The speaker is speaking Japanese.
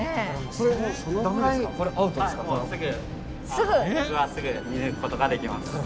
僕はすぐ見抜くことができます。